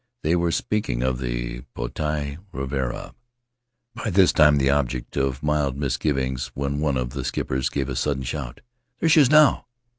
They were speaking of the Potii Ravarava, by this time the object of mild misgivings, when one of the skippers gave a sudden shout. * There she is now!"